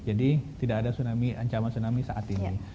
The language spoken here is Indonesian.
jadi tidak ada ancaman tsunami saat ini